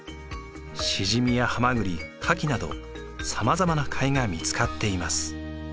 シジミやハマグリカキなどさまざまな貝が見つかっています。